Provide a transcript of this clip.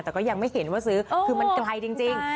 แต่ก็ยังไม่เห็นว่าซื้อคือมันไกลจริง